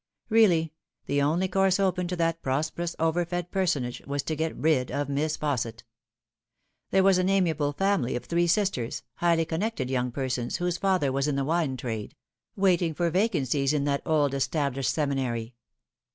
Really, the only course open to that prosperous, over fed personage was to get rid of Miss Fausset. There was an amiable family of three Bisters highly connected young persons, whose father was in the wine trade waiting for vacancies in that old established seminary.